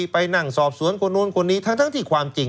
ไปนั่งสอบสวนคนนู้นคนนี้ทั้งที่ความจริง